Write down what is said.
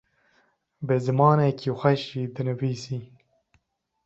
bi zimanekî xweş jî dinivîsî